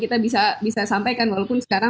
kita bisa sampaikan walaupun sekarang